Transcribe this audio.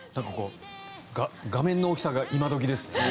画面の大きさが今時ですね。